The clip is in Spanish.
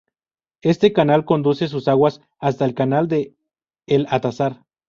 Este canal conduce sus aguas hasta el canal de El Atazar.